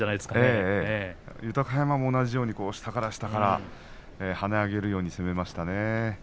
豊山も同じように下から下から跳ね上げるように攻めましたね。